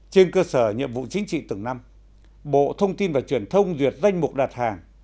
trên cơ sở nhiệm vụ chính trị từng năm bộ thông tin và truyền thông duyệt danh mục đặt hàng